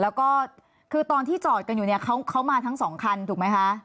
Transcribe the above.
แล้วก็คือตอนที่จอดกันอยู่เนี่ยเขามาทั้งสองคันถูกไหมคะ